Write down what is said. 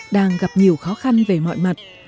đang gặp nhiều khó khăn về mọi mặt